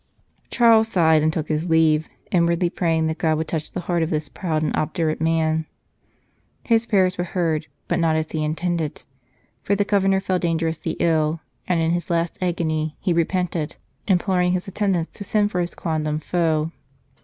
Charles sighed and took his leave, inwardly praying that God would touch the heart of this proud and obdurate man. His prayers were heard, but not as he intended ; for the Governor fell dangerously ill, and in his last agony he repented, imploring his attendants to send for his quondam foe.